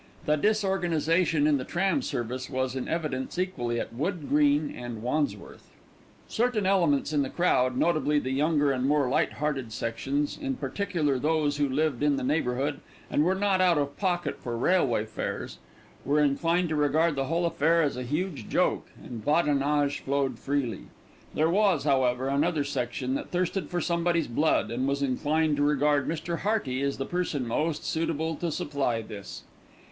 The disorganisation in the tram service was in evidence equally at Wood Green and Wandsworth. Certain elements in the crowd, notably the younger and more light hearted sections, in particular those who lived in the neighbourhood and were not out of pocket for railway fares, were inclined to regard the whole affair as a huge joke, and badinage flowed freely. There was, however, another section that thirsted for somebody's blood, and was inclined to regard Mr. Hearty as the person most suitable to supply this.